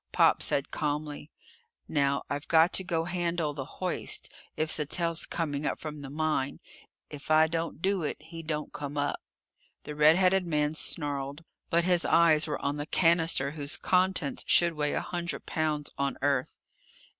Pop said calmly: "Now I've got to go handle the hoist, if Sattell's coming up from the mine. If I don't do it, he don't come up." The red headed man snarled. But his eyes were on the cannister whose contents should weigh a hundred pounds on Earth.